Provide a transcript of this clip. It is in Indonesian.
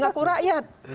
nggak ke rakyat